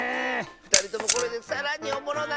ふたりともこれでさらにおもろなったんちゃう